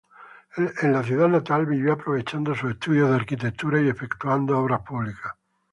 En la ciudad natal vivió aprovechando sus estudios de arquitectura y efectuando obras públicas.